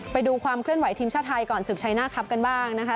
ไปดูความเคลื่อนไหวทีมชาติไทยก่อนศึกชัยหน้าครับกันบ้างนะคะ